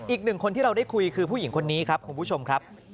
อีกหนึ่งคนที่เราได้คุยคือผู้หญิงคนนี้ครับคุณผู้ชมครับ